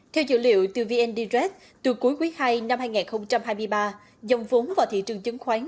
theo dữ liệu từ vn direct từ cuối quý ii năm hai nghìn hai mươi ba dòng vốn vào thị trường chứng khoán